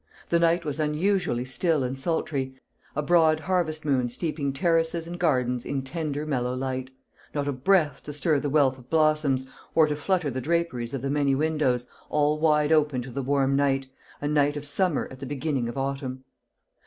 The night was unusually still and sultry, a broad harvest moon steeping terraces and gardens in tender mellow light; not a breath to stir the wealth of blossoms, or to flutter the draperies of the many windows, all wide open to the warm night a night of summer at the beginning of autumn.